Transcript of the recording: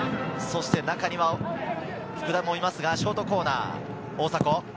中には福田もいますがショートコーナー。